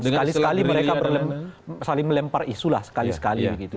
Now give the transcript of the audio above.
sekali sekali mereka saling melempar isu lah sekali sekali gitu